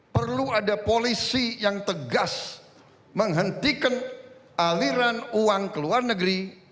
perlu ada polisi yang tegas menghentikan aliran uang ke luar negeri